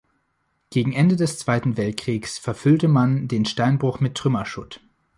Gegen Ende des Zweiten Weltkrieges verfüllte man den Steinbruch mit Trümmerschutt.